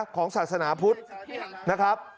ของศาสนาพุทธนะครับ